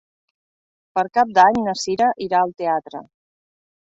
Per Cap d'Any na Sira irà al teatre.